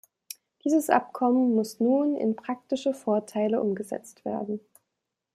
Dieses Abkommen muss nun in praktische Vorteile umgesetzt werden.